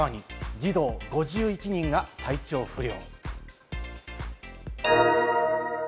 児童５１人が体調不良。